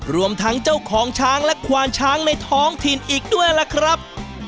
รวมทั้งเจ้าของช้างและควานช้างในท้องถิ่นอีกด้วยล่ะครับ